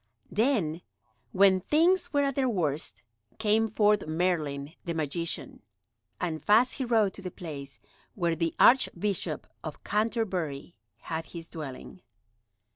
Then, when things were at their worst, came forth Merlin the magician, and fast he rode to the place where the Archbishop of Canterbury had his dwelling.